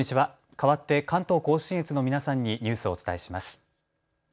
かわって関東甲信越の皆さんにニュースをお伝えします。